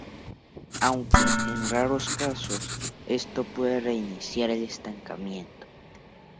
Aunque, en raros casos, esto puede reiniciar el estancamiento.